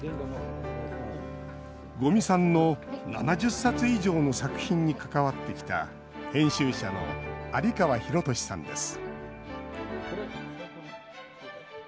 五味さんの７０冊以上の作品に関わってきた編集者の有川裕俊さんです